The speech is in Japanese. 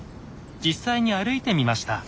実際に歩いてみました。